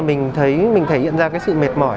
mình thấy mình thể hiện ra cái sự mệt mỏi